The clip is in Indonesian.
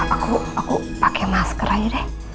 aku aku pakai masker aja deh